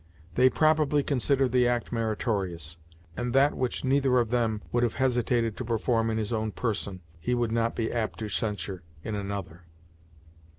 They probably considered the act meritorious, and that which neither of them would have hesitated to perform in his own person, he would not be apt to censure in another.